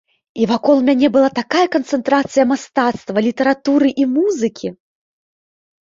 І вакол мяне была такая канцэнтрацыя мастацтва, літаратуры і музыкі!